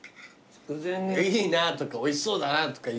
「いいな」とか「おいしそうだな」とか言ってやれよ。